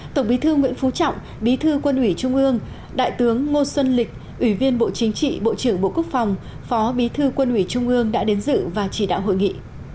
tổng bí thư nguyễn phú trọng bí thư quân ủy trung ương đại tướng ngô xuân lịch ủy viên bộ chính trị bộ trưởng bộ quốc phòng phó bí thư quân ủy trung ương đã đến dự và chỉ đạo hội nghị